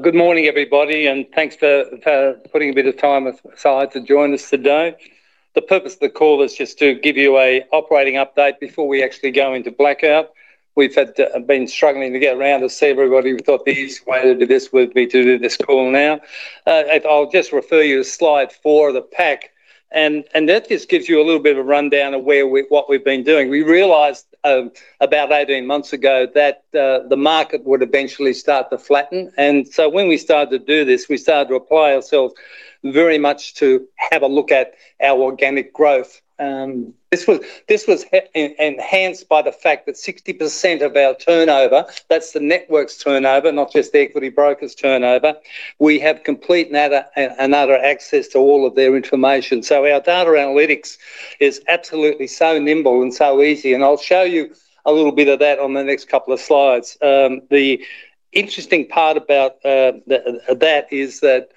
Good morning, everybody, and thanks for putting a bit of time aside to join us today. The purpose of the call is just to give you an operating update before we actually go into blackout. We've been struggling to get around to see everybody. We thought the easiest way to do this would be to do this call now. I'll just refer you to slide four of the pack, and that just gives you a little bit of a rundown of what we've been doing. We realized about 18 months ago that the market would eventually start to flatten, and so when we started to do this, we started to apply ourselves very much to have a look at our organic growth. This was enhanced by the fact that 60% of our turnover, that's the network's turnover, not just the equity broker's turnover. We have complete and utter access to all of their information. Our data analytics is absolutely so nimble and so easy. I'll show you a little bit of that on the next couple of slides. The interesting part about that is that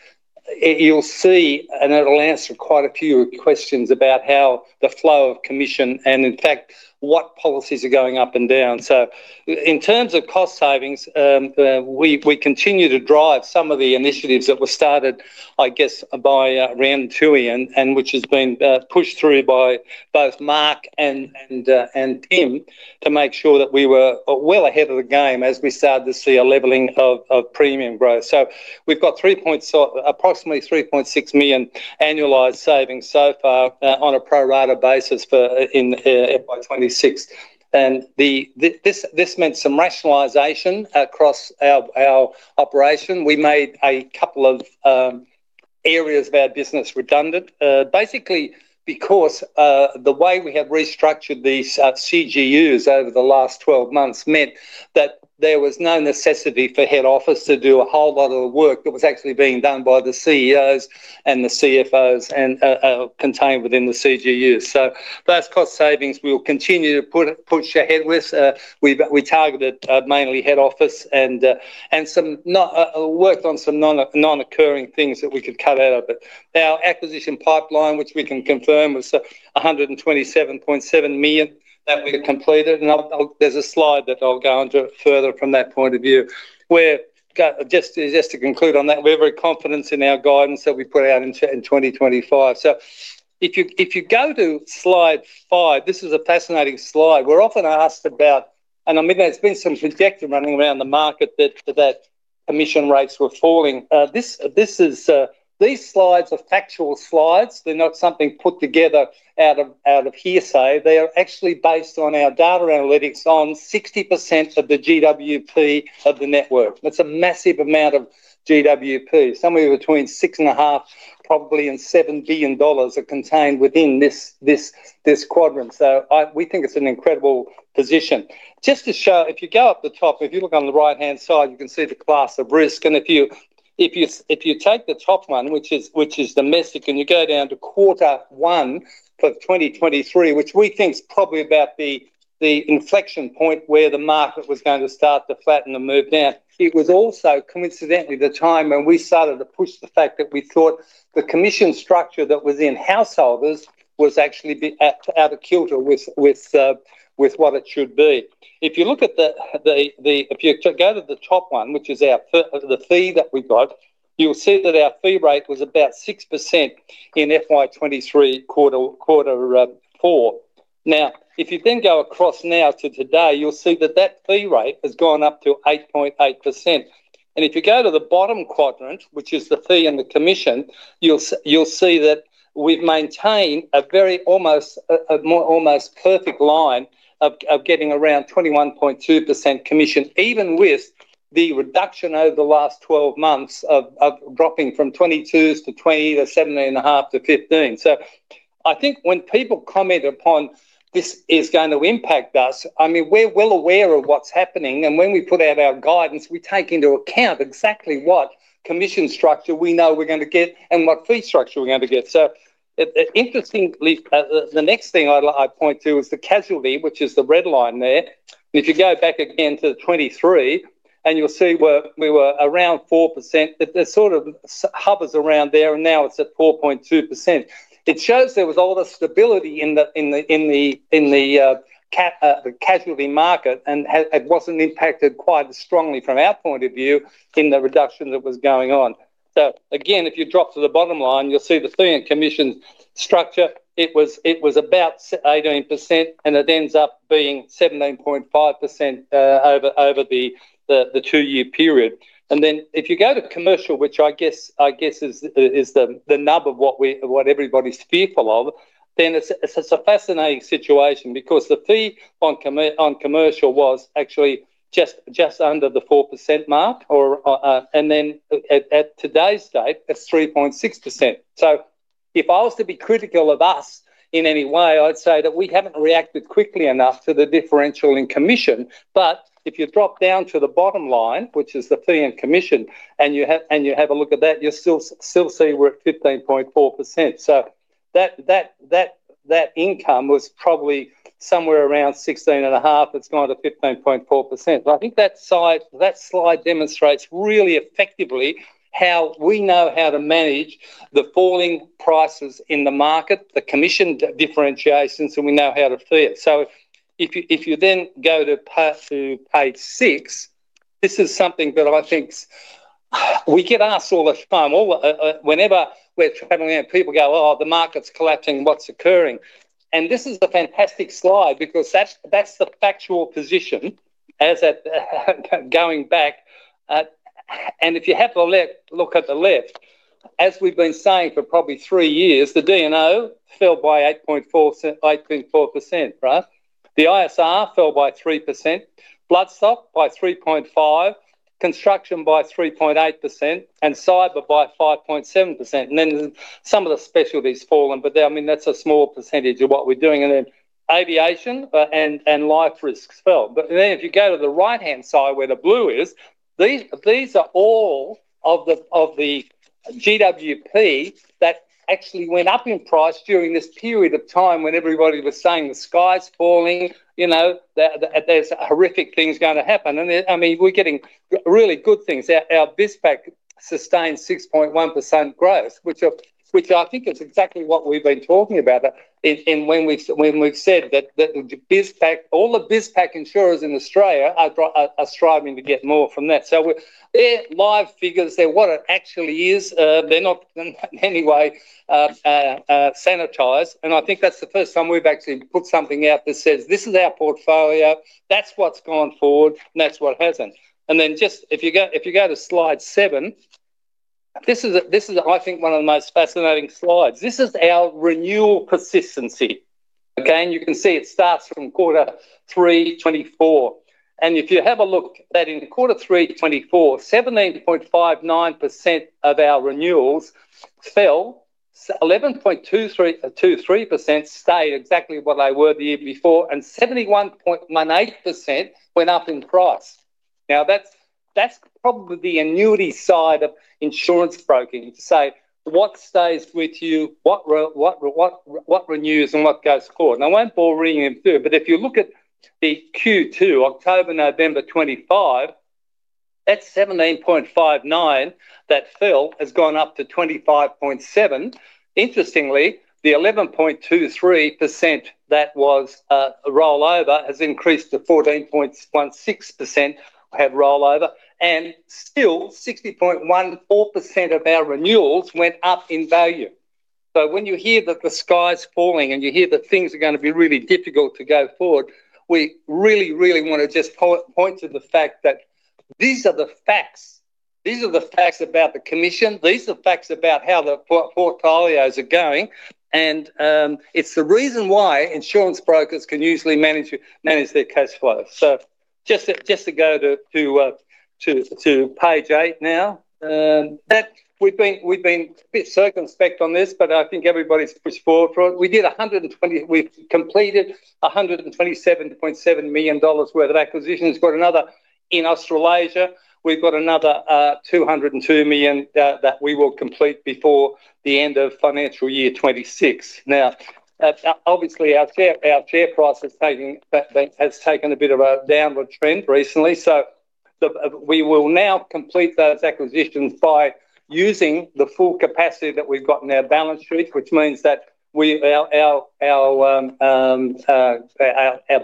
you'll see, and it'll answer quite a few questions about how the flow of commission and, in fact, what policies are going up and down. In terms of cost savings, we continue to drive some of the initiatives that were started, I guess, by Rhiannon Toohey, which has been pushed through by both Mark and Tim to make sure that we were well ahead of the game as we started to see a leveling of premium growth. We've got approximately 3.6 million annualized savings so far on a pro rata basis by 2026. This meant some rationalization across our operation. We made a couple of areas of our business redundant, basically because the way we have restructured these CGUs over the last 12 months meant that there was no necessity for head office to do a whole lot of the work that was actually being done by the CEOs and the CFOs contained within the CGUs. So those cost savings will continue to push ahead with. We targeted mainly head office and worked on some non-recurring things that we could cut out of it. Our acquisition pipeline, which we can confirm was 127.7 million that we completed. And there's a slide that I'll go on to further from that point of view, where just to conclude on that, we have every confidence in our guidance that we put out in 2025. So if you go to slide five, this is a fascinating slide. We're often asked about, and I mean, there's been some chatter running around the market that commission rates were falling. These slides are factual slides. They're not something put together out of hearsay. They are actually based on our data analytics on 60% of the GWP of the network. That's a massive amount of GWP, somewhere between 6.5 billion, probably, and 7 billion dollars are contained within this quadrant, so we think it's an incredible position. Just to show, if you go up the top, if you look on the right-hand side, you can see the class of risk. And if you take the top one, which is domestic, and you go down to quarter one for 2023, which we think is probably about the inflection point where the market was going to start to flatten and move down, it was also coincidentally the time when we started to push the fact that we thought the commission structure that was in householders was actually out of kilter with what it should be. If you go to the top one, which is the fee that we got, you'll see that our fee rate was about 6% in FY23 quarter four. Now, if you then go across now to today, you'll see that that fee rate has gone up to 8.8%. And if you go to the bottom quadrant, which is the fee and the commission, you'll see that we've maintained a very almost perfect line of getting around 21.2% commission, even with the reduction over the last 12 months of dropping from 22% to 20% to 17.5% to 15%. So I think when people comment upon this is going to impact us, I mean, we're well aware of what's happening. And when we put out our guidance, we take into account exactly what commission structure we know we're going to get and what fee structure we're going to get. So interestingly, the next thing I point to is the casualty, which is the red line there. And if you go back again to 23, and you'll see we were around 4%. It sort of hovers around there, and now it's at 4.2%. It shows there was all the stability in the casualty market, and it wasn't impacted quite as strongly from our point of view in the reduction that was going on. So again, if you drop to the bottom line, you'll see the fee and commission structure. It was about 18%, and it ends up being 17.5% over the two-year period. And then if you go to commercial, which I guess is the nub of what everybody's fearful of, then it's a fascinating situation because the fee on commercial was actually just under the 4% mark, and then at today's date, it's 3.6%. So if I was to be critical of us in any way, I'd say that we haven't reacted quickly enough to the differential in commission. But if you drop down to the bottom line, which is the fee and commission, and you have a look at that, you'll still see we're at 15.4%. So that income was probably somewhere around 16.5%. It's gone to 15.4%. I think that slide demonstrates really effectively how we know how to manage the falling prices in the market, the commission differentiations, and we know how to steer it. So if you then go to page six, this is something that I think we get asked all the time. Whenever we're traveling out, people go, "Oh, the market's collapsing. What's occurring?" And this is a fantastic slide because that's the factual position going back. And if you have a look at the left, as we've been saying for probably three years, the D&O fell by 8.4%, right? The ISR fell by 3%, Bloodstock by 3.5%, Construction by 3.8%, and Cyber by 5.7%, and then some of the specialties fallen, but I mean, that's a small percentage of what we're doing, and then aviation and life risks fell, but then if you go to the right-hand side where the blue is, these are all of the GWP that actually went up in price during this period of time when everybody was saying the sky's falling, there's horrific things going to happen, and I mean, we're getting really good things. Our BizPack sustained 6.1% growth, which I think is exactly what we've been talking about, and when we've said that all the BizPack insurers in Australia are striving to get more from that, so they're live figures. They're what it actually is. They're not in any way sanitized. And I think that's the first time we've actually put something out that says, "This is our portfolio. That's what's gone forward, and that's what hasn't." And then just if you go to slide seven, this is, I think, one of the most fascinating slides. This is our renewal persistency. Okay? And you can see it starts from quarter three 2024. And if you have a look at that in quarter three 2024, 17.59% of our renewals fell, 11.23% stayed exactly what they were the year before, and 71.18% went up in price. Now, that's probably the annuity side of insurance broking, to say what stays with you, what renews and what goes forward. And I won't bore you into, but if you look at the Q2, October, November 2025, that's 17.59% that fell has gone up to 25.7%. Interestingly, the 11.23% that was rollover has increased to 14.16% rollover. And still, 60.14% of our renewals went up in value. So when you hear that the sky's falling and you hear that things are going to be really difficult to go forward, we really, really want to just point to the fact that these are the facts. These are the facts about the commission. These are the facts about how the portfolios are going. And it's the reason why insurance brokers can usually manage their cash flow. So just to go to page eight now. We've been a bit circumspect on this, but I think everybody's pushed forward for it. We did 120. We've completed 127.7 million dollars worth of acquisitions. We've got another in Australasia. We've got another 202 million that we will complete before the end of financial year 2026. Now, obviously, our share price has taken a bit of a downward trend recently. So we will now complete those acquisitions by using the full capacity that we've got in our balance sheet, which means that our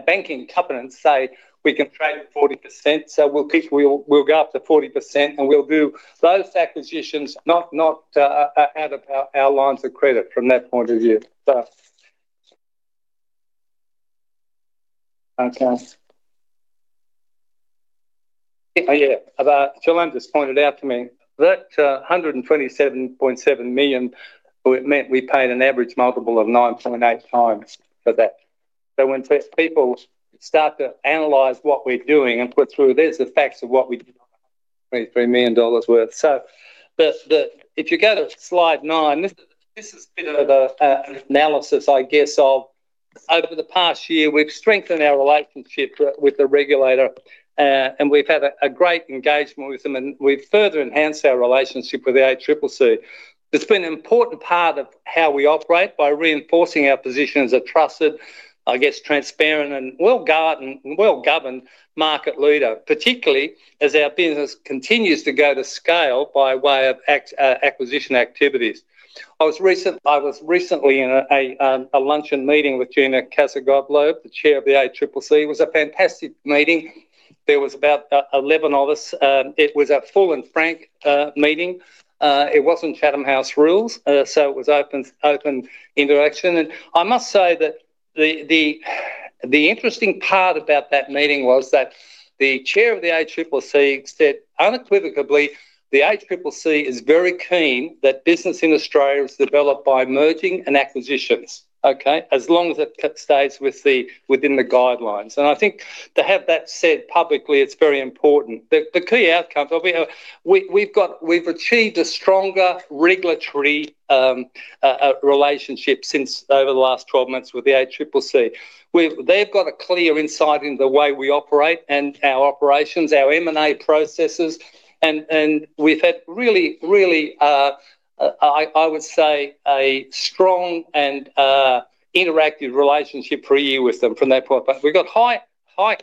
banking covenants say we can trade at 40%. So we'll go up to 40%, and we'll do those acquisitions not out of our lines of credit from that point of view. Okay. Yeah. Shalome just pointed out to me that $127.7 million, it meant we paid an average multiple of 9.8 times for that. So when people start to analyze what we're doing and put through, there's the facts of what we did on $23 million worth. So if you go to slide nine, this is a bit of an analysis, I guess, of over the past year, we've strengthened our relationship with the regulator, and we've had a great engagement with them, and we've further enhanced our relationship with the ACCC. It's been an important part of how we operate by reinforcing our position as a trusted, I guess, transparent and well-governed market leader, particularly as our business continues to go to scale by way of acquisition activities. I was recently in a luncheon meeting with Gina Cass-Gottlieb, Chair of the ACCC. It was a fantastic meeting. There was about 11 of us. It was a full and frank meeting. It wasn't Chatham House rules, so it was open interaction. I must say that the interesting part about that meeting was that the chair of the ACCC said unequivocally, "The ACCC is very keen that business in Australia is developed by mergers and acquisitions, okay, as long as it stays within the guidelines." I think to have that said publicly, it's very important. The key outcomes, we've achieved a stronger regulatory relationship since over the last 12 months with the ACCC. They've got a clear insight into the way we operate and our operations, our M&A processes. We've had really, really, I would say, a strong and interactive relationship for a year with them from that point. We've got high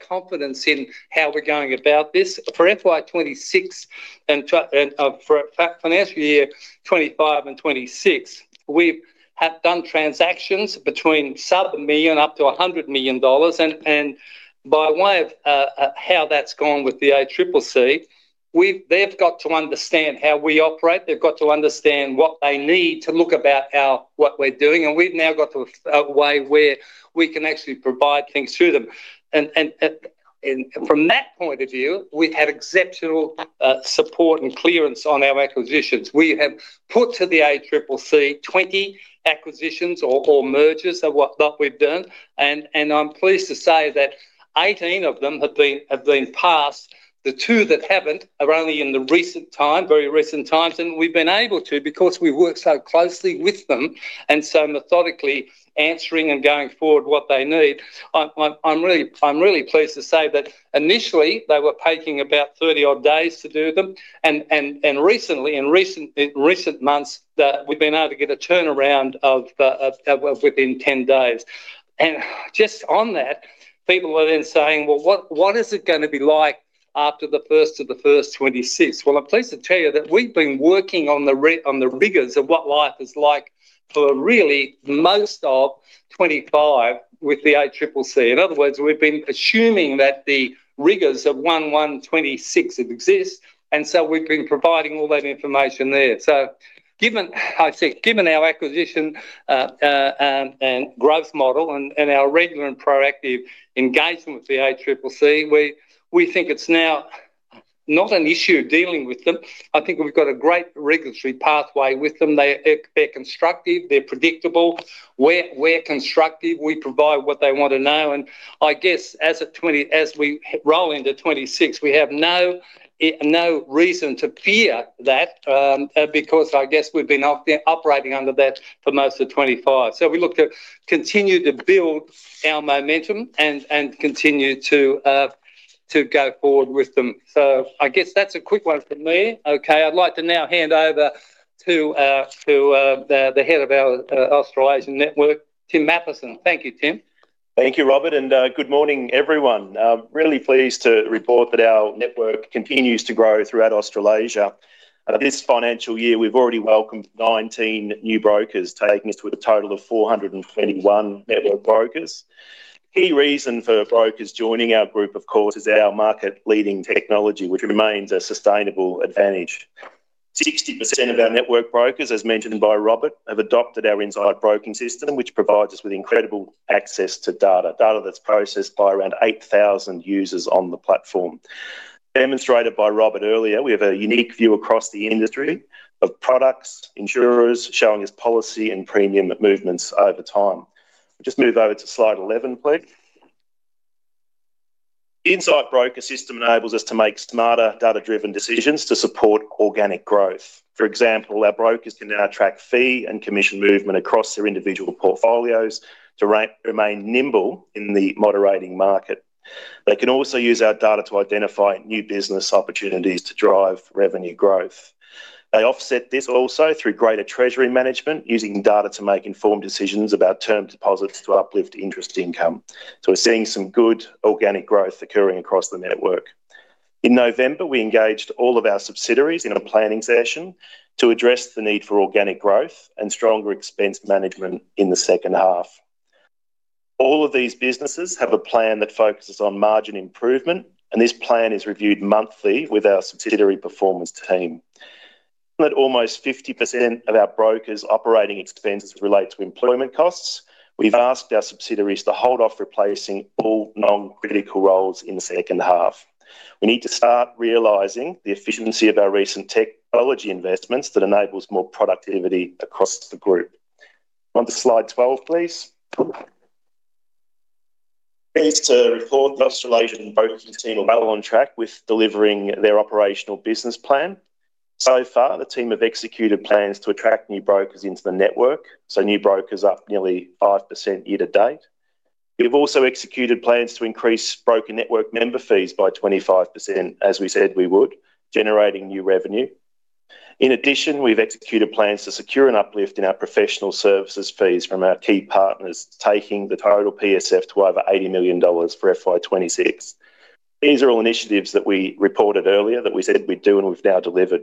confidence in how we're going about this. For FY26 and for financial year 2025 and 2026, we've done transactions between sub-AUD 1 million up to 100 million dollars. And by way of how that's gone with the ACCC, they've got to understand how we operate. They've got to understand what they need to look about what we're doing. And we've now got to a way where we can actually provide things to them. And from that point of view, we've had exceptional support and clearance on our acquisitions. We have put to the ACCC 20 acquisitions or mergers that we've done. And I'm pleased to say that 18 of them have been passed. The two that haven't are only in the recent time, very recent times. And we've been able to, because we work so closely with them and so methodically answering and going forward what they need. I'm really pleased to say that initially, they were taking about 30-odd days to do them. Recently, in recent months, we've been able to get a turnaround of within 10 days. Just on that, people are then saying, "Well, what is it going to be like after the first of the first 2026?" I'm pleased to tell you that we've been working on the rigors of what life is like for really most of 2025 with the ACCC. In other words, we've been assuming that the rigors of 1/1/26 exist. We've been providing all that information there. Given our acquisition and growth model and our regular and proactive engagement with the ACCC, we think it's now not an issue dealing with them. I think we've got a great regulatory pathway with them. They're constructive. They're predictable. We're constructive. We provide what they want to know. I guess as we roll into 2026, we have no reason to fear that because I guess we've been operating under that for most of 2025. We look to continue to build our momentum and continue to go forward with them. I guess that's a quick one from me. Okay. I'd like to now hand over to the head of our Australasian network, Tim Mathieson. Thank you, Tim. Thank you, Robert. Good morning, everyone. Really pleased to report that our network continues to grow throughout Australasia. This financial year, we've already welcomed 19 new brokers, taking us to a total of 421 network brokers. Key reason for brokers joining our group, of course, is our market-leading technology, which remains a sustainable advantage. 60% of our network brokers, as mentioned by Robert, have adopted our Insight broking system, which provides us with incredible access to data, data that's processed by around 8,000 users on the platform. Demonstrated by Robert earlier, we have a unique view across the industry of products, insurers, showing us policy and premium movements over time. Just move over to slide 11, please. The Insight broking system enables us to make smarter data-driven decisions to support organic growth. For example, our brokers can now track fee and commission movement across their individual portfolios to remain nimble in the moderating market. They can also use our data to identify new business opportunities to drive revenue growth. They offset this also through greater treasury management, using data to make informed decisions about term deposits to uplift interest income. So we're seeing some good organic growth occurring across the network. In November, we engaged all of our subsidiaries in a planning session to address the need for organic growth and stronger expense management in the second half. All of these businesses have a plan that focuses on margin improvement, and this plan is reviewed monthly with our subsidiary performance team. At almost 50% of our brokers' operating expenses relate to employment costs, we've asked our subsidiaries to hold off replacing all non-critical roles in the second half. We need to start realizing the efficiency of our recent technology investments that enables more productivity across the group. Onto slide 12, please. Pleased to report that the Australasian brokers team are well on track with delivering their operational business plan. So far, the team have executed plans to attract new brokers into the network. So new brokers up nearly 5% year to date. We've also executed plans to increase broker network member fees by 25%, as we said we would, generating new revenue. In addition, we've executed plans to secure an uplift in our professional services fees from our key partners, taking the total PSF to over 80 million dollars for FY26. These are all initiatives that we reported earlier that we said we'd do and we've now delivered.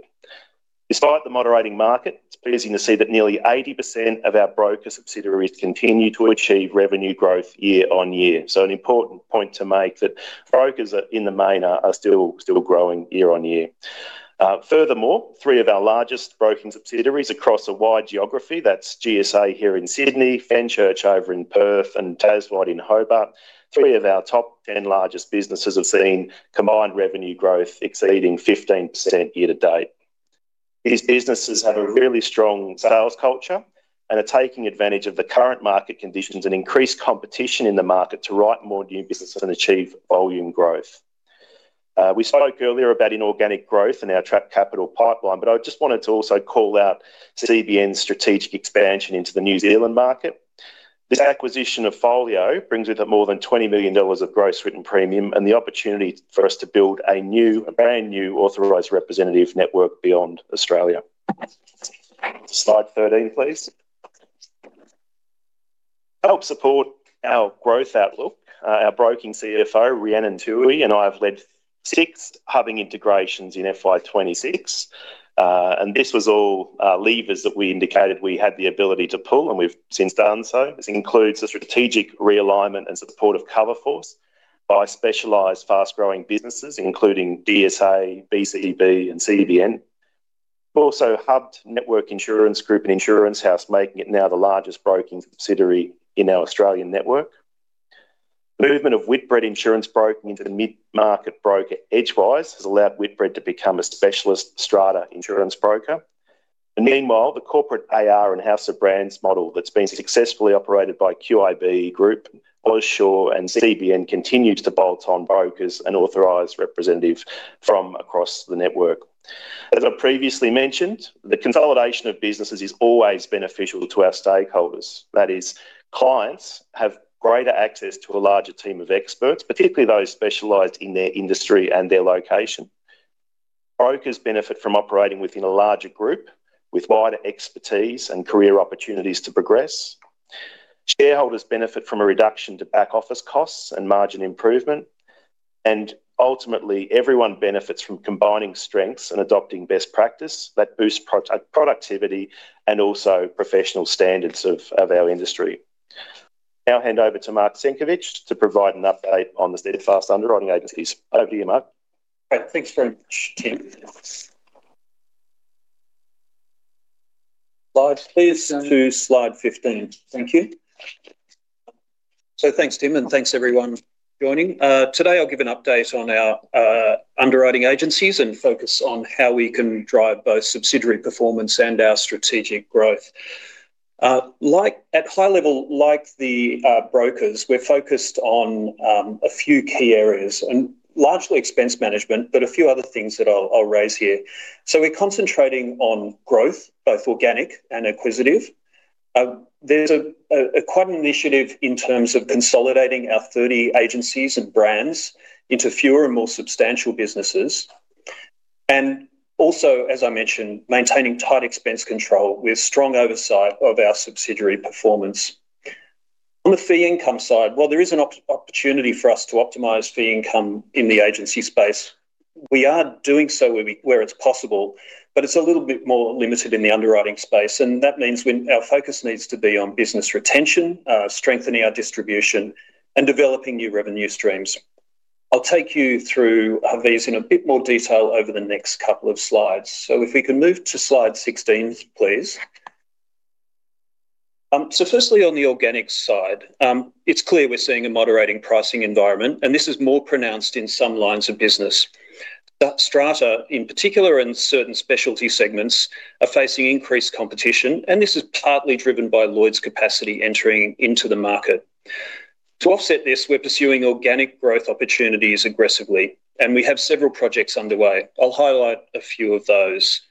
Despite the moderating market, it's pleasing to see that nearly 80% of our broker subsidiaries continue to achieve revenue growth year on year. So an important point to make that brokers in the main are still growing year on year. Furthermore, three of our largest broking subsidiaries across a wide geography, that's GSA here in Sydney, Fenchurch over in Perth, and Taswide in Hobart, three of our top 10 largest businesses have seen combined revenue growth exceeding 15% year to date. These businesses have a really strong sales culture and are taking advantage of the current market conditions and increased competition in the market to write more new businesses and achieve volume growth. We spoke earlier about inorganic growth in our trapped capital pipeline, but I just wanted to also call out CBN's strategic expansion into the New Zealand market. This acquisition of Folio brings with it more than 20 million dollars of gross written premium and the opportunity for us to build a brand new authorized representative network beyond Australia. Slide 13, please. To help support our growth outlook, our Broking CFO, Rhiannon Toohey, and I have led six hubbing integrations in FY 2026, and this was all levers that we indicated we had the ability to pull, and we've since done so. This includes the strategic realignment and support of Coverforce by specialized fast-growing businesses, including DSA, BCB, and CBN. We've also hubbed Network Insurance Group and Insurance House, making it now the largest broking subsidiary in our Australian network. The movement of Whitbread Insurance Broking into the mid-market broker Edgewise has allowed Whitbread to become a specialist strata insurance broker, and meanwhile, the corporate AR and House of Brands model that's been successfully operated by QIB Group, Ausure, and CBN continues to bolt on brokers and authorized representatives from across the network. As I previously mentioned, the consolidation of businesses is always beneficial to our stakeholders. That is, clients have greater access to a larger team of experts, particularly those specialized in their industry and their location. Brokers benefit from operating within a larger group with wider expertise and career opportunities to progress. Shareholders benefit from a reduction to back office costs and margin improvement. Ultimately, everyone benefits from combining strengths and adopting best practice that boosts productivity and also professional standards of our industry. Now I'll hand over to Mark Senkevics to provide an update on the Steadfast Underwriting Agencies. Over to you, Mark. Thanks very much, Tim. Slide, please, to slide 15. Thank you. So thanks, Tim, and thanks, everyone, for joining. Today, I'll give an update on our underwriting agencies and focus on how we can drive both subsidiary performance and our strategic growth. At high level, like the brokers, we're focused on a few key areas and largely expense management, but a few other things that I'll raise here. So we're concentrating on growth, both organic and acquisitive. There's quite an initiative in terms of consolidating our 30 agencies and brands into fewer and more substantial businesses. Also, as I mentioned, maintaining tight expense control with strong oversight of our subsidiary performance. On the fee income side, while there is an opportunity for us to optimize fee income in the agency space, we are doing so where it's possible, but it's a little bit more limited in the underwriting space. That means our focus needs to be on business retention, strengthening our distribution, and developing new revenue streams. I'll take you through these in a bit more detail over the next couple of slides. If we can move to slide 16, please. Firstly, on the organic side, it's clear we're seeing a moderating pricing environment, and this is more pronounced in some lines of business. Strata, in particular, and certain specialty segments are facing increased competition, and this is partly driven by Lloyd's capacity entering into the market. To offset this, we're pursuing organic growth opportunities aggressively, and we have several projects underway. I'll highlight a few of those.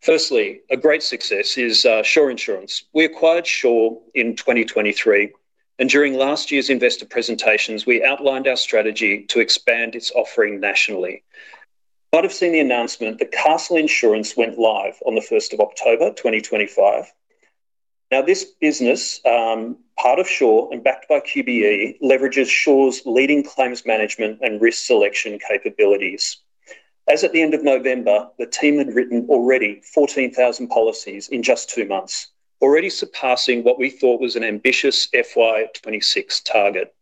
Firstly, a great success is Sure Insurance. We acquired Shaw in 2023, and during last year's investor presentations, we outlined our strategy to expand its offering nationally. Might have seen the announcement that Castle Insurance went live on the 1st of October 2025. Now, this business, part of Shaw and backed by QBE, leverages Shaw's leading claims management and risk selection capabilities. As at the end of November, the team had written already 14,000 policies in just two months, already surpassing what we thought was an ambitious FY26 target,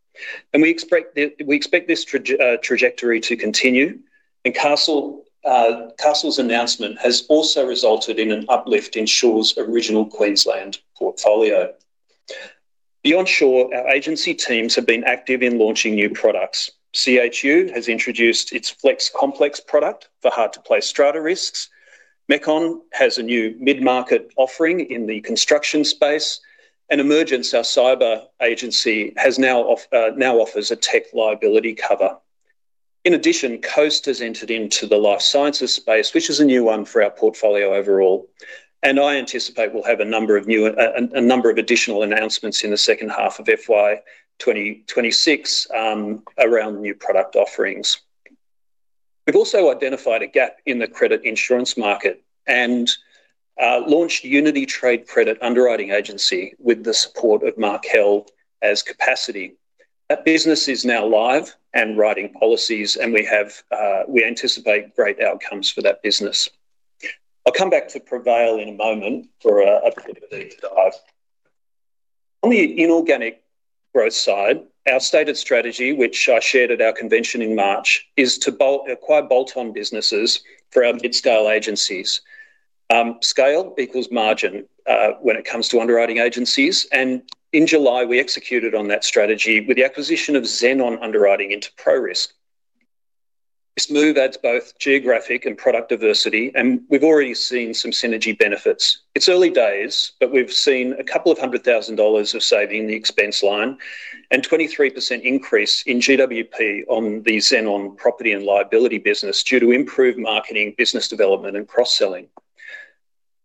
and we expect this trajectory to continue, and Castle's announcement has also resulted in an uplift in Shaw's original Queensland portfolio. Beyond Shaw, our agency teams have been active in launching new products. CHU has introduced its Flex Complex product for hard-to-place strata risks. Mecon has a new mid-market offering in the construction space. And Emergence, our cyber agency, now offers a tech liability cover. In addition, Coast has entered into the life sciences space, which is a new one for our portfolio overall. And I anticipate we'll have a number of additional announcements in the second half of FY26 around new product offerings. We've also identified a gap in the credit insurance market and launched Unity Trade Credit Underwriting Agency with the support of Markel as capacity. That business is now live and writing policies, and we anticipate great outcomes for that business. I'll come back to Prevail in a moment for a bit of a deep dive. On the inorganic growth side, our stated strategy, which I shared at our convention in March, is to acquire bolt-on businesses for our mid-scale agencies. Scale equals margin when it comes to underwriting agencies, and in July, we executed on that strategy with the acquisition of Xenon Underwriting into ProRisk. This move adds both geographic and product diversity, and we've already seen some synergy benefits. It's early days, but we've seen 200,000 dollars of saving in the expense line and a 23% increase in GWP on the Xenon property and liability business due to improved marketing, business development, and cross-selling.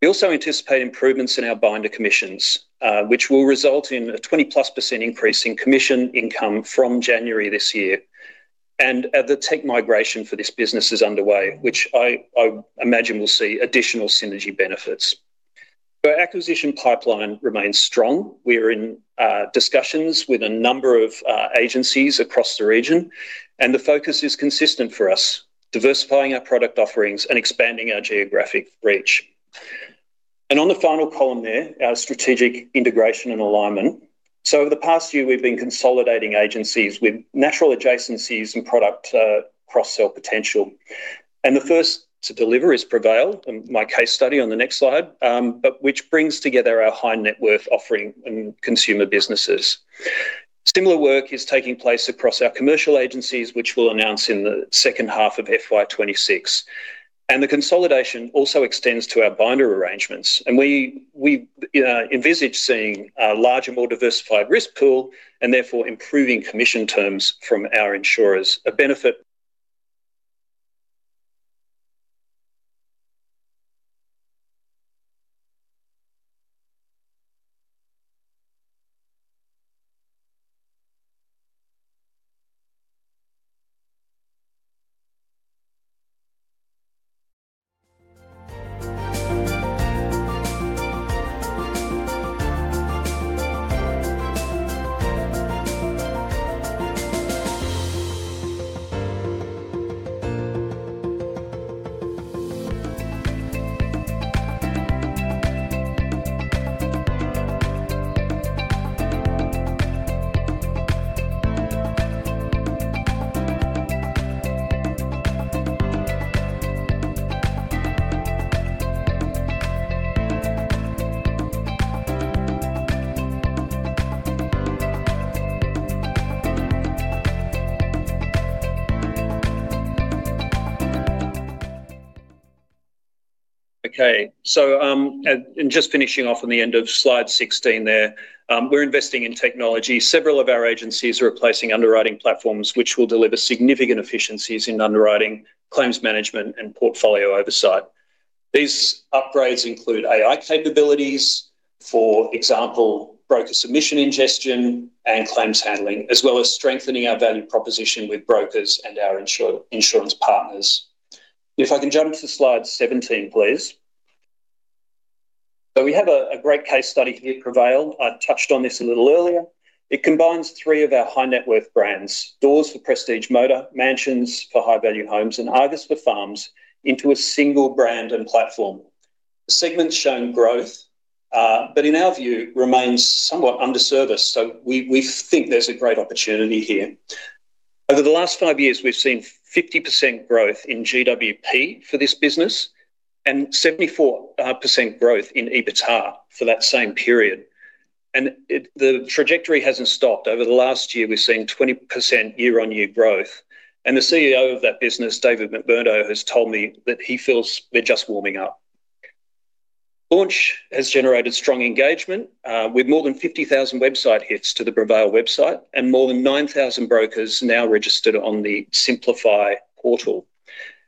We also anticipate improvements in our binder commissions, which will result in a 20-plus% increase in commission income from January this year, and the tech migration for this business is underway, which I imagine will see additional synergy benefits. Our acquisition pipeline remains strong. We are in discussions with a number of agencies across the region, and the focus is consistent for us: diversifying our product offerings and expanding our geographic reach. And on the final column there, our strategic integration and alignment. So over the past year, we've been consolidating agencies with natural adjacencies and product cross-sell potential. And the first to deliver is Prevail, my case study on the next slide, which brings together our high net worth offering and consumer businesses. Similar work is taking place across our commercial agencies, which we'll announce in the second half of FY26. And the consolidation also extends to our binder arrangements. And we envisage seeing a larger, more diversified risk pool and therefore improving commission terms from our insurers, a benefit. Okay. So just finishing off on the end of slide 16 there, we're investing in technology. Several of our agencies are replacing underwriting platforms, which will deliver significant efficiencies in underwriting, claims management, and portfolio oversight. These upgrades include AI capabilities, for example, broker submission ingestion and claims handling, as well as strengthening our value proposition with brokers and our insurance partners. If I can jump to slide 17, please. So we have a great case study here at Prevail. I touched on this a little earlier. It combines three of our high-net-worth brands: Dawes for Prestige Motor, Mansions for High Value Homes, and Argus for Farms into a single brand and platform. The segments show growth, but in our view, remain somewhat underserviced. So we think there's a great opportunity here. Over the last five years, we've seen 50% growth in GWP for this business and 74% growth in EBITDA for that same period. And the trajectory hasn't stopped. Over the last year, we've seen 20% year-on-year growth, and the CEO of that business, David McMurdo, has told me that he feels they're just warming up. Launch has generated strong engagement with more than 50,000 website hits to the Prevail website and more than 9,000 brokers now registered on the Simplify portal,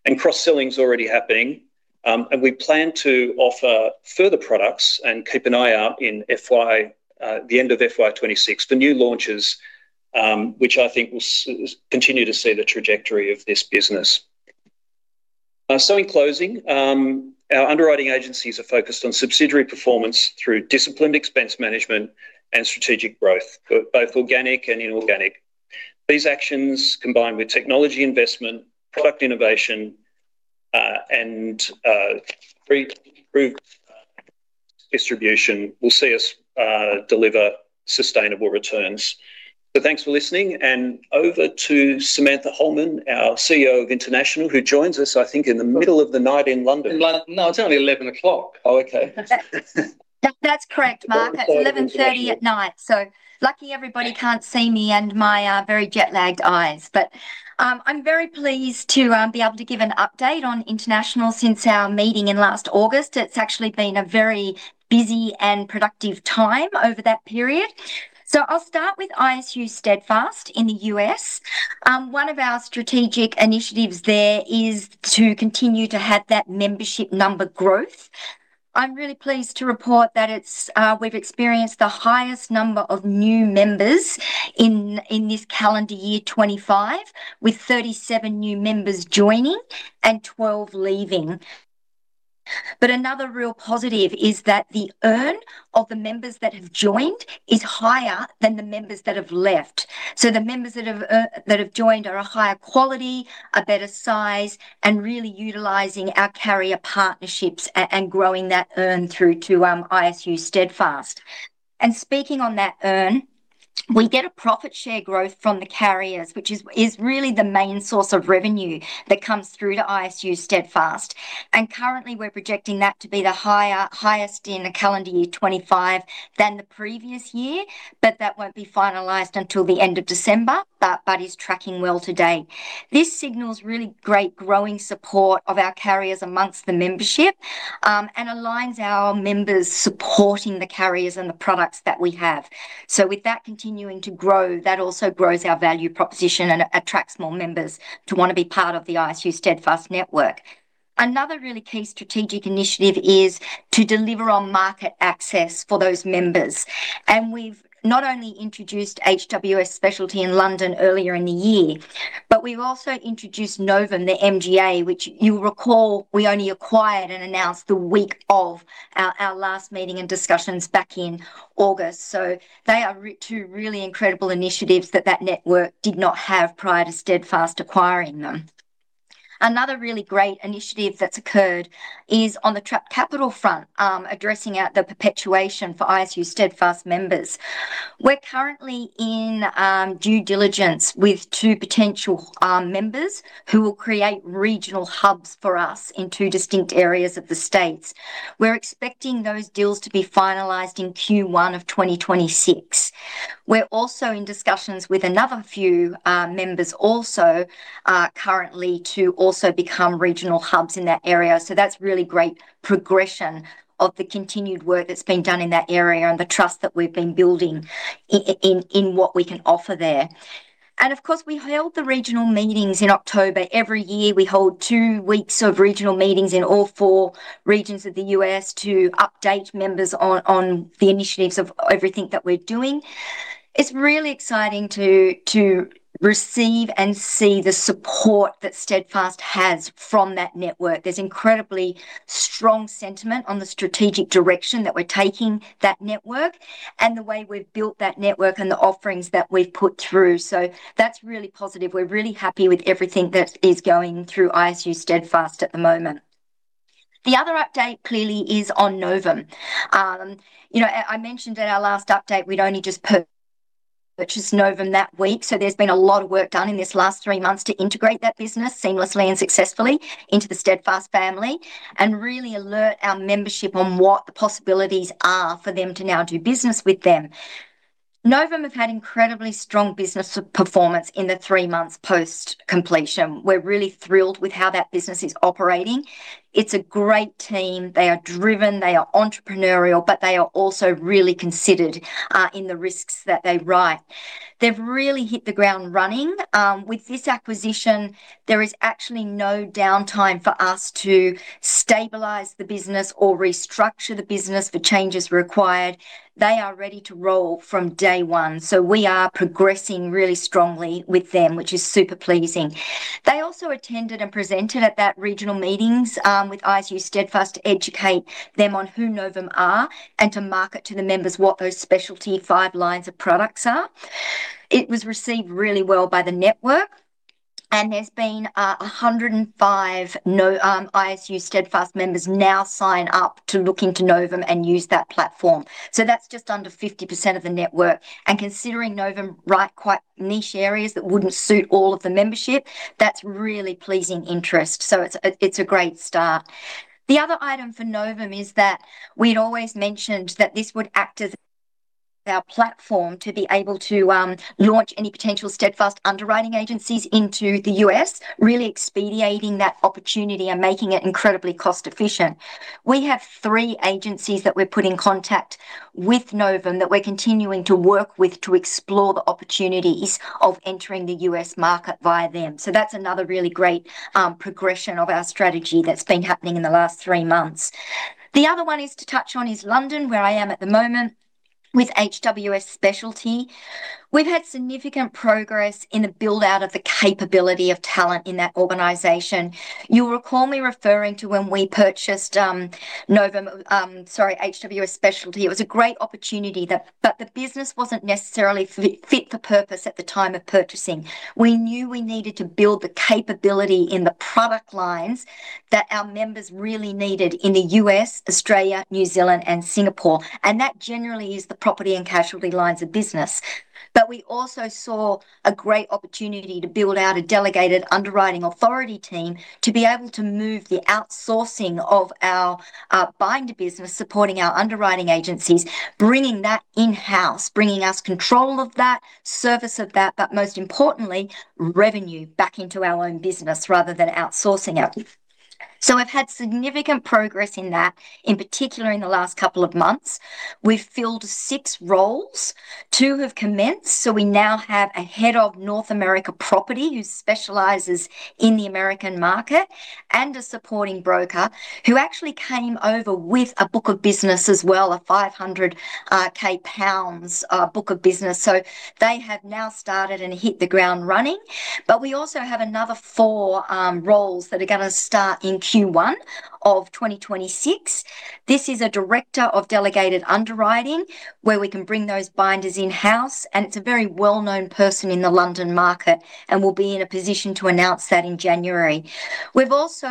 and cross-selling is already happening, and we plan to offer further products and keep an eye out in the end of FY26 for new launches, which I think will continue to see the trajectory of this business. So in closing, our underwriting agencies are focused on subsidiary performance through disciplined expense management and strategic growth, both organic and inorganic. These actions, combined with technology investment, product innovation, and distribution, will see us deliver sustainable returns, so thanks for listening. And over to Samantha Hollman, our CEO of International, who joins us, I think, in the middle of the night in London. No, it's only 11:00 P.M. Oh, okay. That's correct, Mark. It's 11:30 P.M. So lucky everybody can't see me and my very jet-lagged eyes. But I'm very pleased to be able to give an update on International since our meeting in last August. It's actually been a very busy and productive time over that period. So I'll start with ISU Steadfast in the US. One of our strategic initiatives there is to continue to have that membership number growth. I'm really pleased to report that we've experienced the highest number of new members in this calendar year, 2025, with 37 new members joining and 12 leaving. But another real positive is that the earn of the members that have joined is higher than the members that have left. So the members that have joined are a higher quality, a better size, and really utilizing our carrier partnerships and growing that earn through to ISU Steadfast. And speaking on that earn, we get a profit share growth from the carriers, which is really the main source of revenue that comes through to ISU Steadfast. And currently, we're projecting that to be the highest in the calendar year 2025 than the previous year, but that won't be finalized until the end of December, but is tracking well today. This signals really great growing support of our carriers amongst the membership and aligns our members supporting the carriers and the products that we have. So with that continuing to grow, that also grows our value proposition and attracts more members to want to be part of the ISU Steadfast network. Another really key strategic initiative is to deliver on market access for those members. And we've not only introduced HWS Specialty in London earlier in the year, but we've also introduced Novum, the MGA, which you'll recall we only acquired and announced the week of our last meeting and discussions back in August. So they are two really incredible initiatives that network did not have prior to Steadfast acquiring them. Another really great initiative that's occurred is on the capital front, addressing the perpetuation for ISU Steadfast members. We're currently in due diligence with two potential members who will create regional hubs for us in two distinct areas of the states. We're expecting those deals to be finalized in Q1 of 2026. We're also in discussions with another few members also currently to also become regional hubs in that area. So that's really great progression of the continued work that's been done in that area and the trust that we've been building in what we can offer there. And of course, we held the regional meetings in October. Every year, we hold two weeks of regional meetings in all four regions of the U.S. to update members on the initiatives of everything that we're doing. It's really exciting to receive and see the support that Steadfast has from that network. There's incredibly strong sentiment on the strategic direction that we're taking, that network, and the way we've built that network and the offerings that we've put through. So that's really positive. We're really happy with everything that is going through ISU Steadfast at the moment. The other update clearly is on Novum. I mentioned at our last update, we'd only just purchased Novum that week. So there's been a lot of work done in this last three months to integrate that business seamlessly and successfully into the Steadfast family and really alert our membership on what the possibilities are for them to now do business with them. Novum have had incredibly strong business performance in the three months post-completion. We're really thrilled with how that business is operating. It's a great team. They are driven. They are entrepreneurial, but they are also really considered in the risks that they write. They've really hit the ground running. With this acquisition, there is actually no downtime for us to stabilize the business or restructure the business for changes required. They are ready to roll from day one. So we are progressing really strongly with them, which is super pleasing. They also attended and presented at those regional meetings with ISU Steadfast to educate them on who Novum are and to market to the members what those specialty five lines of products are. It was received really well by the network, and there's been 105 ISU Steadfast members now sign up to look into Novum and use that platform, so that's just under 50% of the network, and considering Novum write quite niche areas that wouldn't suit all of the membership, that's really pleasing interest, so it's a great start. The other item for Novum is that we'd always mentioned that this would act as our platform to be able to launch any potential Steadfast underwriting agencies into the U.S., really expediting that opportunity and making it incredibly cost-efficient. We have three agencies that we've put in contact with Novum that we're continuing to work with to explore the opportunities of entering the U.S. market via them. So that's another really great progression of our strategy that's been happening in the last three months. The other one to touch on is London, where I am at the moment with HWS Specialty. We've had significant progress in the build-out of the capability of talent in that organization. You'll recall me referring to when we purchased Novum, sorry, HWS Specialty. It was a great opportunity, but the business wasn't necessarily fit for purpose at the time of purchasing. We knew we needed to build the capability in the product lines that our members really needed in the U.S., Australia, New Zealand, and Singapore. And that generally is the property and casualty lines of business. But we also saw a great opportunity to build out a delegated underwriting authority team to be able to move the outsourcing of our binder business, supporting our underwriting agencies, bringing that in-house, bringing us control of that, service of that, but most importantly, revenue back into our own business rather than outsourcing it. So we've had significant progress in that, in particular in the last couple of months. We've filled six roles. Two have commenced. So we now have a head of North America property who specializes in the American market and a supporting broker who actually came over with a book of business as well, a 500,000 pounds book of business. So they have now started and hit the ground running. But we also have another four roles that are going to start in Q1 of 2026. This is a director of delegated underwriting where we can bring those binders in-house, and it's a very well-known person in the London market and will be in a position to announce that in January. We've also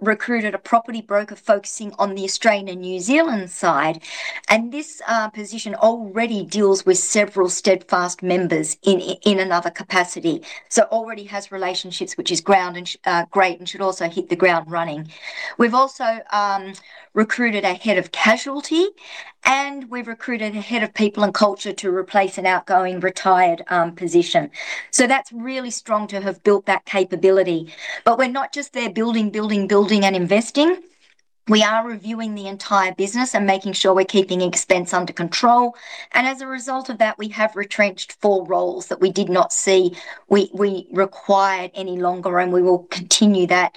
recruited a property broker focusing on the Australia and New Zealand side, and this position already deals with several Steadfast members in another capacity, so already has relationships, which is ground and great and should also hit the ground running. We've also recruited a head of casualty, and we've recruited a head of people and culture to replace an outgoing retired position, so that's really strong to have built that capability, but we're not just there building, building, building and investing. We are reviewing the entire business and making sure we're keeping expense under control. And as a result of that, we have retrenched four roles that we did not see we required any longer, and we will continue that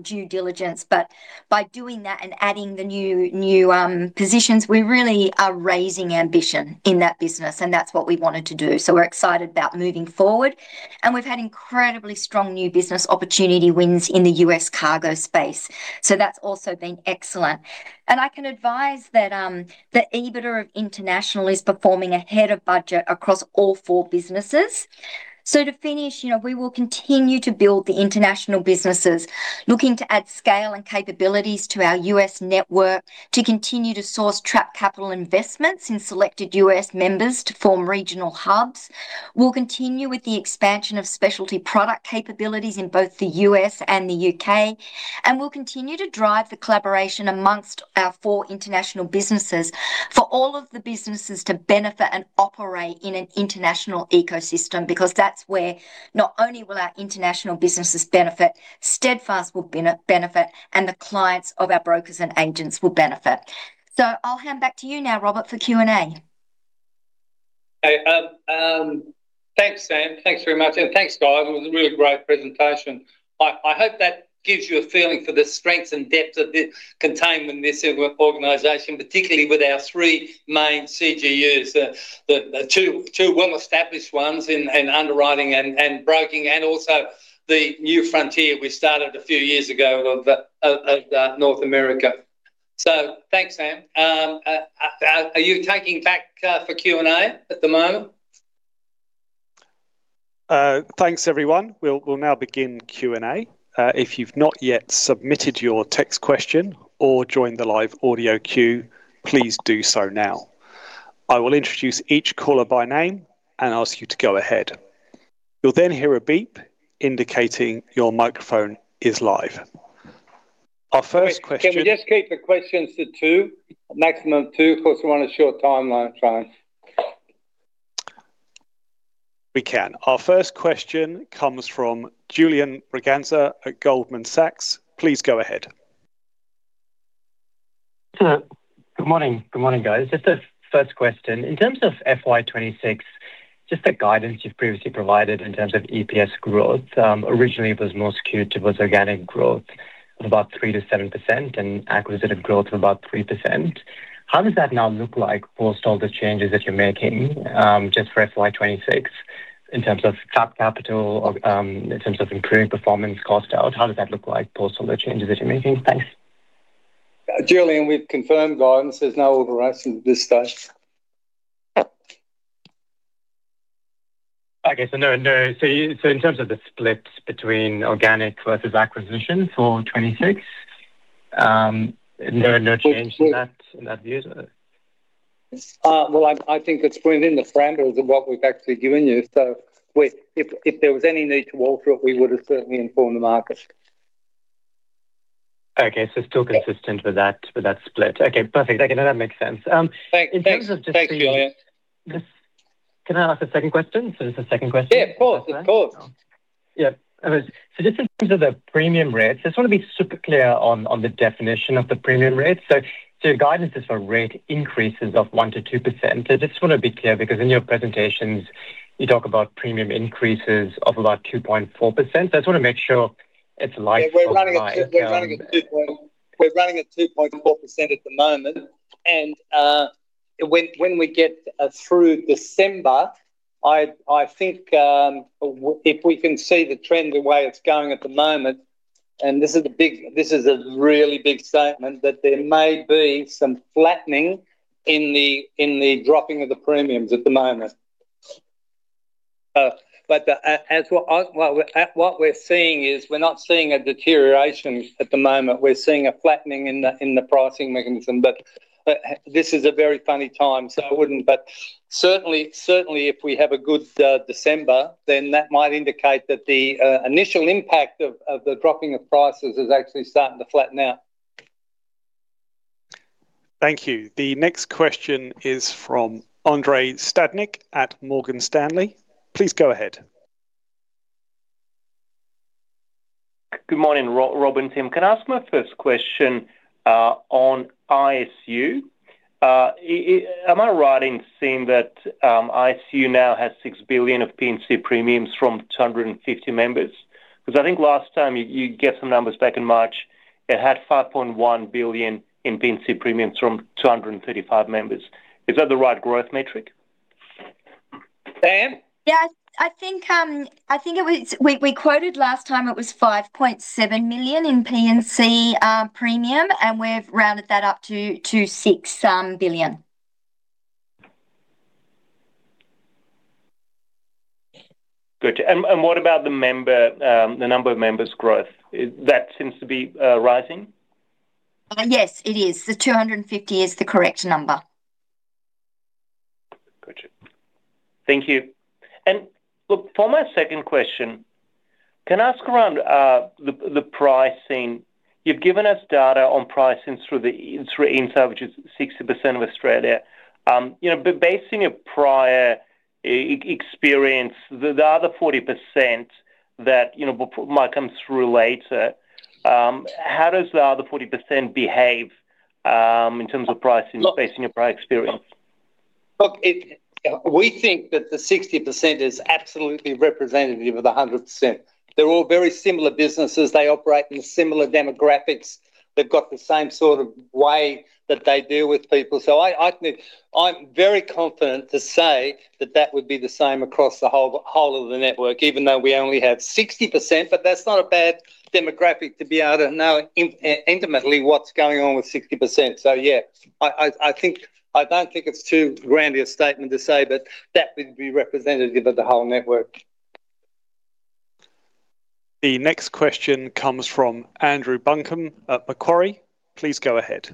due diligence. But by doing that and adding the new positions, we really are raising ambition in that business, and that's what we wanted to do. So we're excited about moving forward. And we've had incredibly strong new business opportunity wins in the U.S. cargo space. So that's also been excellent. And I can advise that the EBITDA of International is performing ahead of budget across all four businesses. So to finish, we will continue to build the international businesses, looking to add scale and capabilities to our U.S. network, to continue to source trapped capital investments in selected U.S. members to form regional hubs. We'll continue with the expansion of specialty product capabilities in both the U.S. and the U.K. And we'll continue to drive the collaboration among our four international businesses for all of the businesses to benefit and operate in an international ecosystem because that's where not only will our international businesses benefit, Steadfast will benefit, and the clients of our brokers and agents will benefit. So I'll hand back to you now, Robert, for Q&A. Thanks, Sam. Thanks very much. And thanks, guys. It was a really great presentation. I hope that gives you a feeling for the strengths and depths of the commitment in this organization, particularly with our three main CGUs, the two well-established ones in underwriting and broking, and also the new frontier we started a few years ago of North America. So thanks, Sam. Are you taking back for Q&A at the moment? Thanks, everyone. We'll now begin Q&A. If you've not yet submitted your text question or joined the live audio queue, please do so now. I will introduce each caller by name and ask you to go ahead. You'll then hear a beep indicating your microphone is live. Our first question. Can we just keep the questions to two, maximum two? Of course, we want a short timeline, Fran. We can. Our first question comes from Julian Braganza at Goldman Sachs. Please go ahead. Good morning. Good morning, guys. Just a first question. In terms of FY26, just the guidance you've previously provided in terms of EPS growth, originally it was more skewed towards organic growth of about 3%-7% and acquisitive growth of about 3%. How does that now look like post all the changes that you're making just for FY26 in terms of trapped capital, in terms of improving performance cost out? How does that look like post all the changes that you're making? Thanks. Julian, we've confirmed, guys. There's no overrides to this stage. Okay. So no, no. So in terms of the splits between organic versus acquisition for 2026, no change in that view? Well, I think it's bringing the framework of what we've actually given you. So if there was any need to walk through it, we would have certainly informed the market. Okay. So still consistent with that split. Okay. Perfect. Okay. That makes sense. Thanks. In terms of just a few, can I ask a second question? So this is the second question. Yeah, of course. Of course. Yeah. So just in terms of the premium rates, I just want to be super clear on the definition of the premium rates. So your guidance is for rate increases of 1%-2%. I just want to be clear because in your presentations, you talk about premium increases of about 2.4%. So I just want to make sure it's like, yeah. We're running at 2.4% at the moment. And when we get through December, I think if we can see the trend the way it's going at the moment, and this is a really big statement, that there may be some flattening in the dropping of the premiums at the moment. But what we're seeing is we're not seeing a deterioration at the moment. We're seeing a flattening in the pricing mechanism. But this is a very funny time, so I wouldn't. But certainly, if we have a good December, then that might indicate that the initial impact of the dropping of prices is actually starting to flatten out. Thank you. The next question is from Andrei Stadnik at Morgan Stanley. Please go ahead. Good morning, Rob and Tim. Can I ask my first question on ISU? Am I right in seeing that ISU now has $6 billion of P&C premiums from 250 members? Because I think last time you get some numbers back in March, it had $5.1 billion in P&C premiums from 235 members. Is that the right growth metric? Sam? Yeah. I think we quoted last time it was $5.7 million in P&C premium, and we've rounded that up to $6 billion. Good. And what about the number of members' growth? That seems to be rising? Yes, it is. The 250 is the correct number. Gotcha. Thank you. And look, for my second question, can I ask around the pricing? You've given us data on pricing through E&S, which is 60% of Australia. Based on your prior experience, the other 40% that might come through later, how does the other 40% behave in terms of pricing, based on your prior experience? Look, we think that the 60% is absolutely representative of the 100%. They're all very similar businesses. They operate in similar demographics. They've got the same sort of way that they deal with people. So I'm very confident to say that that would be the same across the whole of the network, even though we only have 60%, but that's not a bad demographic to be able to know intimately what's going on with 60%. So yeah, I don't think it's too grand a statement to say, but that would be representative of the whole network. The next question comes from Andrew Buncombe at Macquarie. Please go ahead.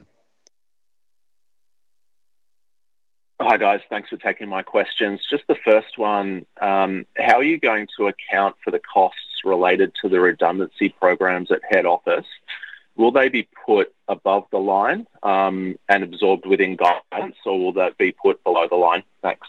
Hi, guys. Thanks for taking my questions. Just the first one, how are you going to account for the costs related to the redundancy programs at head office? Will they be put above the line and absorbed within guidance, or will that be put below the line? Thanks.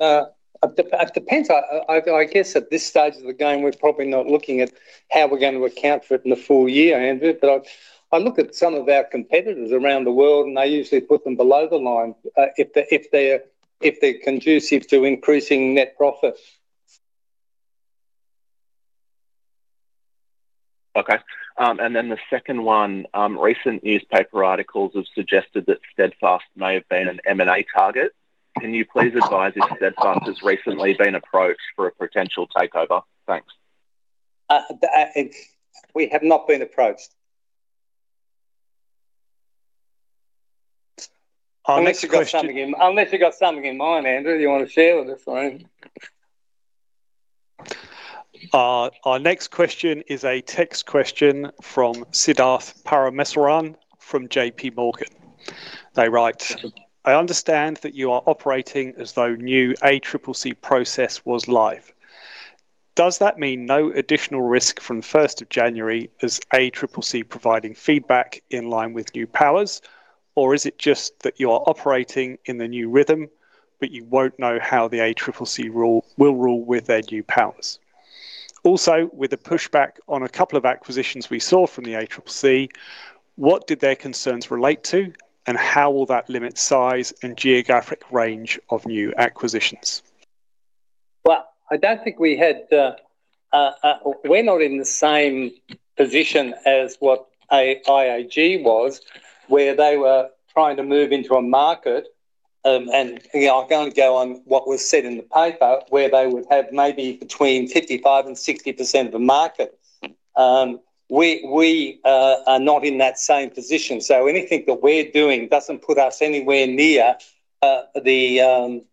It depends. I guess at this stage of the game, we're probably not looking at how we're going to account for it in the full year, Andrew. But I look at some of our competitors around the world, and they usually put them below the line if they're conducive to increasing net profit. Okay. And then the second one, recent newspaper articles have suggested that Steadfast may have been an M&A target. Can you please advise if Steadfast has recently been approached for a potential takeover? Thanks. We have not been approached. Unless you've got something in mind, Andrew. You want to share with us, right? Our next question is a text question from Siddharth Parameswaran from JP Morgan. They write, "I understand that you are operating as though new ACCC process was live. Does that mean no additional risk from 1st of January as ACCC providing feedback in line with new powers, or is it just that you are operating in the new rhythm, but you won't know how the ACCC will rule with their new powers? Also, with the pushback on a couple of acquisitions we saw from the ACCC, what did their concerns relate to, and how will that limit size and geographic range of new acquisitions?" Well, I don't think we're not in the same position as what IAG was, where they were trying to move into a market. And I'll kind of go on what was said in the paper, where they would have maybe between 55% and 60% of the market. We are not in that same position. So anything that we're doing doesn't put us anywhere near the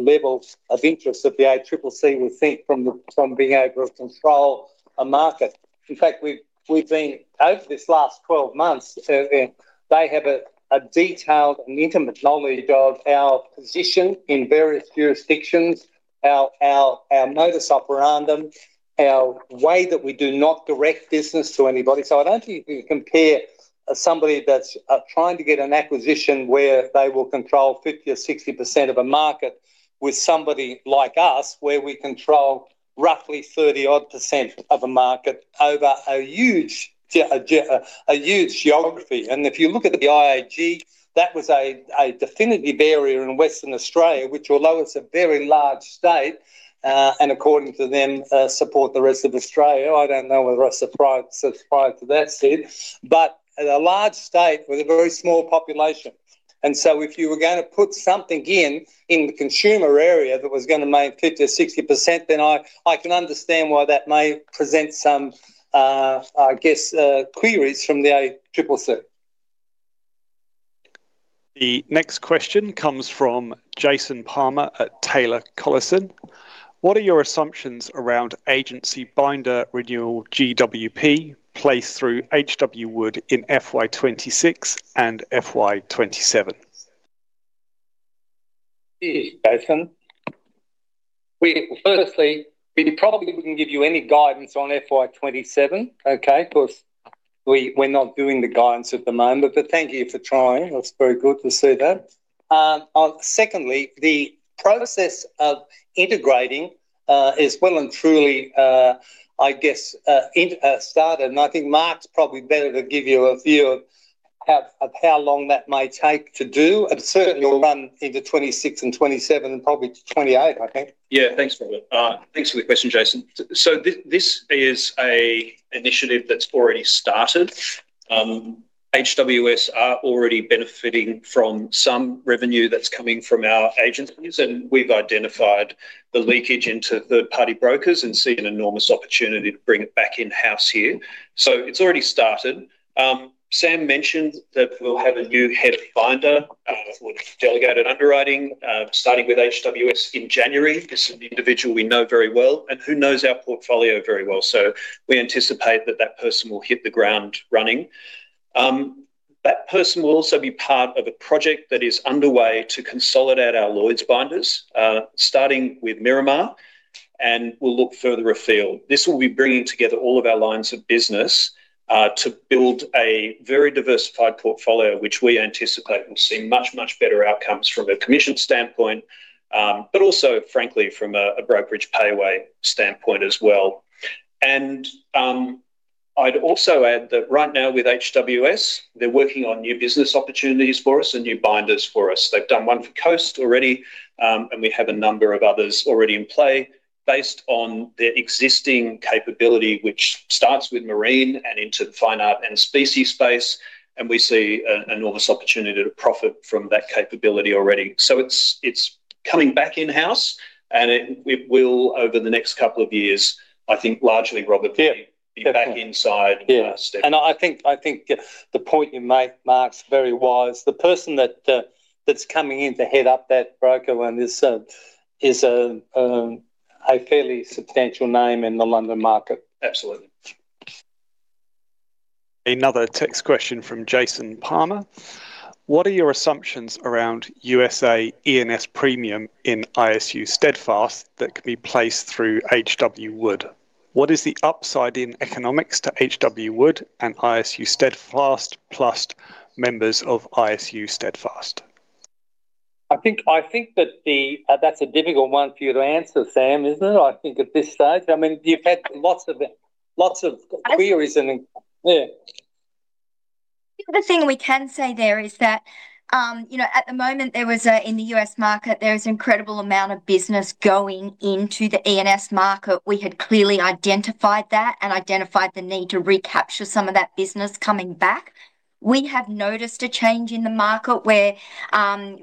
levels of interest of the ACCC, we think, from being able to control a market. In fact, we've been over this last 12 months. They have a detailed and intimate knowledge of our position in various jurisdictions, our market share on them, our way that we do not direct business to anybody. So I don't think you can compare somebody that's trying to get an acquisition where they will control 50% or 60% of a market with somebody like us, where we control roughly 30-odd% of a market over a huge geography. And if you look at the IAG, that was a definitive barrier in Western Australia, which, although it's a very large state and according to them, supports the rest of Australia, I don't know whether I'm surprised to that extent. But a large state with a very small population. And so if you were going to put something in the consumer area that was going to make 50% or 60%, then I can understand why that may present some, I guess, queries from the ACCC. The next question comes from Jason Palmer at Taylor Collison. What are your assumptions around agency binder renewal GWP placed through H.W. Wood in FY26 and FY27? Jason, firstly, we probably wouldn't give you any guidance on FY27, okay? Of course, we're not doing the guidance at the moment, but thank you for trying. That's very good to see that. Secondly, the process of integrating is well and truly, I guess, started. And I think Mark's probably better to give you a view of how long that might take to do. It certainly will run into 2026 and 2027 and probably 2028, I think. Yeah. Thanks for the question, Jason. So this is an initiative that's already started. HWS are already benefiting from some revenue that's coming from our agencies. And we've identified the leakage into third-party brokers and seen an enormous opportunity to bring it back in-house here. So it's already started. Sam mentioned that we'll have a new Head of Binders with delegated underwriting starting with HWS in January. This is an individual we know very well and who knows our portfolio very well. So we anticipate that that person will hit the ground running. That person will also be part of a project that is underway to consolidate our Lloyd's binders, starting with Miramar, and will look further afield. This will be bringing together all of our lines of business to build a very diversified portfolio, which we anticipate will see much, much better outcomes from a commission standpoint, but also, frankly, from a brokerage pay-away standpoint as well. And I'd also add that right now with HWS, they're working on new business opportunities for us and new binders for us. They've done one for Coast already, and we have a number of others already in play based on their existing capability, which starts with marine and into the fine art and specie space. And we see an enormous opportunity to profit from that capability already. So it's coming back in-house. And it will, over the next couple of years, I think, largely, Robert, be back inside Steadfast. Yeah. And I think the point you make, Mark, is very wise. The person that's coming in to head up that broker is a fairly substantial name in the London market. Absolutely. Another text question from Jason Palmer. What are your assumptions around USA E&S premium in ISU Steadfast that can be placed through H.W. Wood? What is the upside in economics to H.W. Wood and ISU Steadfast plus members of ISU Steadfast? I think that that's a difficult one for you to answer, Sam, isn't it? I think at this stage, I mean, you've had lots of queries and yeah. The thing we can say there is that at the moment, in the U.S. market, there is an incredible amount of business going into the E&S market. We had clearly identified that and identified the need to recapture some of that business coming back. We have noticed a change in the market where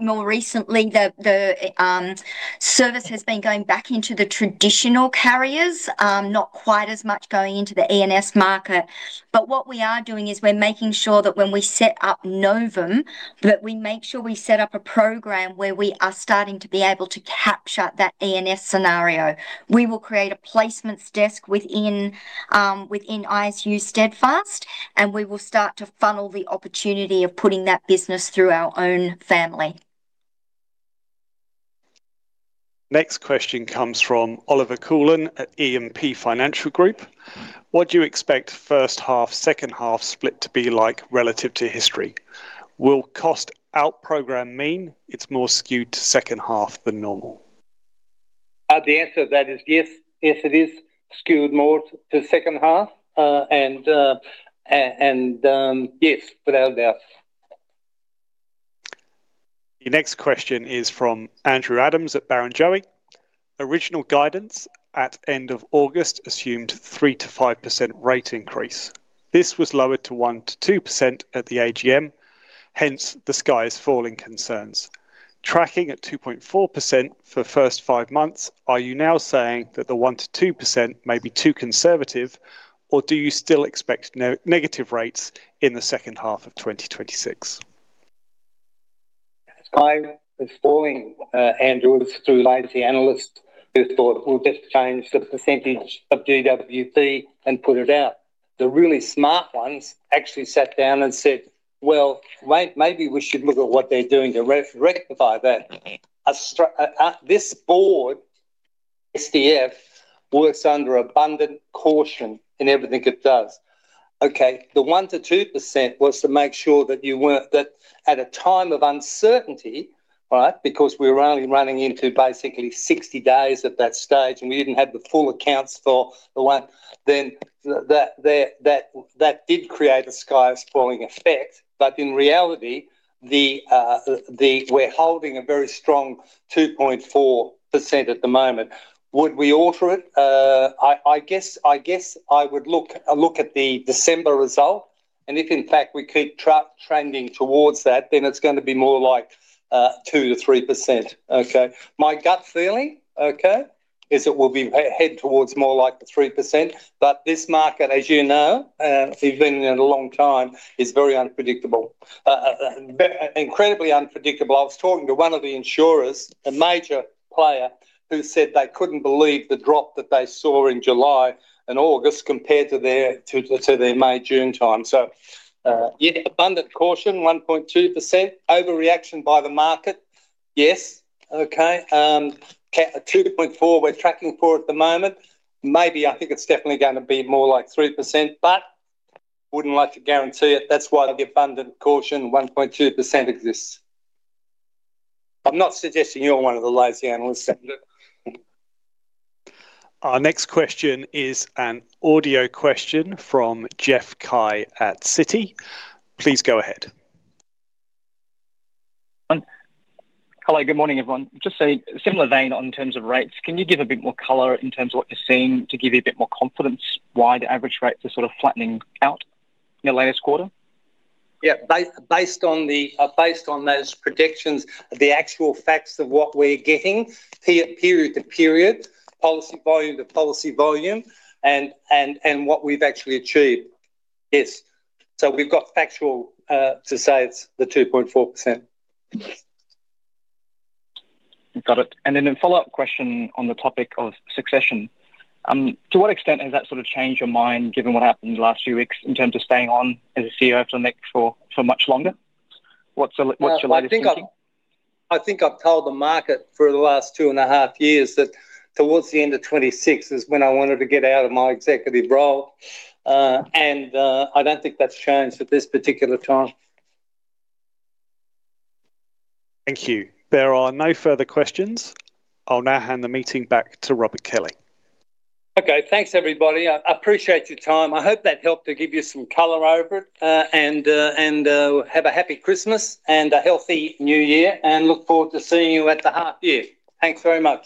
more recently, the service has been going back into the traditional carriers, not quite as much going into the E&S market. But what we are doing is we're making sure that when we set up Novum, that we make sure we set up a program where we are starting to be able to capture that E&S scenario. We will create a placements desk within ISU Steadfast, and we will start to funnel the opportunity of putting that business through our own family. Next question comes from Olivier Coulon at E&P Financial Group. What do you expect first half, second half split to be like relative to history? Will cost out program mean it's more skewed to second half than normal? The answer to that is yes. Yes, it is skewed more to second half, and yes, without doubt. The next question is from Andrew Adams at Barrenjoey. Original guidance at end of August assumed 3%-5% rate increase. This was lowered to 1%-2% at the AGM, hence the sky is falling concerns. Tracking at 2.4% for first five months, are you now saying that the 1%-2% may be too conservative, or do you still expect negative rates in the second half of 2026? Sky is falling. Andrew was the lazy analyst who thought, "We'll just change the percentage of GWP and put it out." The really smart ones actually sat down and said, "Well, maybe we should look at what they're doing to rectify that." This board, SDF, works under abundance of caution in everything it does. Okay. The 1-2% was to make sure that at a time of uncertainty, right, because we were only running into basically 60 days at that stage, and we didn't have the full accounts for the one, then that did create a sky is falling effect. But in reality, we're holding a very strong 2.4% at the moment. Would we alter it? I guess I would look at the December result. And if, in fact, we keep trending towards that, then it's going to be more like 2-3%. Okay. My gut feeling, okay, is it will head towards more like the 3%. But this market, as you know, even in a long time, is very unpredictable. Incredibly unpredictable. I was talking to one of the insurers, a major player, who said they couldn't believe the drop that they saw in July and August compared to their May, June time. So yeah, abundant caution, 1.2%. Overreaction by the market, yes. Okay. 2.4, we're tracking for at the moment. Maybe I think it's definitely going to be more like 3%, but wouldn't like to guarantee it. That's why the abundant caution, 1.2%, exists. I'm not suggesting you're one of the lazy analysts. Our next question is an audio question from Jeff Cai at Citi. Please go ahead. Hello. Good morning, everyone. Just saying similar vein in terms of rates. Can you give a bit more color in terms of what you're seeing to give you a bit more confidence why the average rates are sort of flattening out in the latest quarter? Yeah. Based on those predictions, the actual facts of what we're getting period to period, policy volume to policy volume, and what we've actually achieved. Yes. So we've got factual to say it's the 2.4%. Got it. And then a follow-up question on the topic of succession. To what extent has that sort of changed your mind given what happened in the last few weeks in terms of staying on as a CEO for the next for much longer? What's your latest thinking? I think I've told the market for the last two and a half years that towards the end of 2026 is when I wanted to get out of my executive role. And I don't think that's changed at this particular time. Thank you. There are no further questions. I'll now hand the meeting back to Robert Kelly. Okay. Thanks, everybody. I appreciate your time. I hope that helped to give you some color over it. And have a happy Christmas and a healthy New Year. And look forward to seeing you at the half year. Thanks very much.